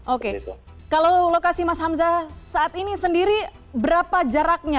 oke kalau lokasi mas hamzah saat ini sendiri berapa jaraknya